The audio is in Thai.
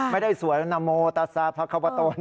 ไม่ได้สวยนาโมตาซาพระควโต